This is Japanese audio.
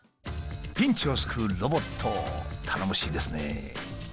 ピンチを救うロボット頼もしいですね。